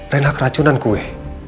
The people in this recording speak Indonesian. reina keracunan kue